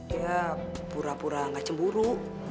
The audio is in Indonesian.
ya pura pura gak cemburu